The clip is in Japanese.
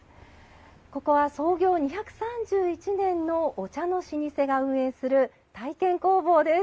ここは創業２３１年のお茶の老舗が運営する体験工房です。